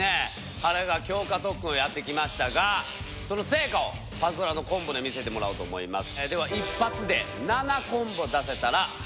はらが強化特訓をやってきましたがその成果をパズドラのコンボで見せてもらおうと思います。